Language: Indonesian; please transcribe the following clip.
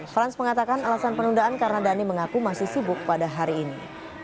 frans mengatakan alasan penundaan karena dhani mengaku masih sibuk pada hari ini